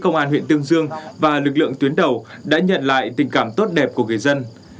công an huyện tương dương và lực lượng tuyến đầu đã nhận lại tình cảm tốt đẹp của người dân